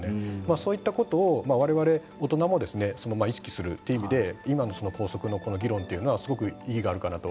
そういったことをわれわれ大人も意識するという意味で今のその校則の議論というのはすごく意義があるかなと。